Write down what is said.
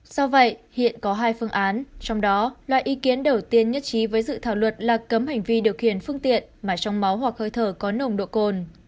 do vậy hiện có hai phương án trong đó loại ý kiến đầu tiên nhất trí với dự thảo luật là cấm hành vi điều khiển phương tiện mà trong máu hoặc hơi thở có nồng độ cồn